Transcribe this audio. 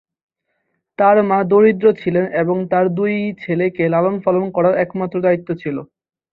তার মা দরিদ্র ছিলেন এবং তার দুই ছেলেকে লালন -পালন করার একমাত্র দায়িত্ব ছিল।